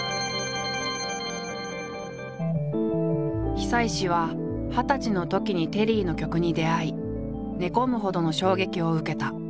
久石は二十歳のときにテリーの曲に出会い寝込むほどの衝撃を受けた。